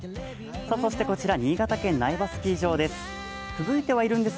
そして、こちら新潟県苗場スキー場です。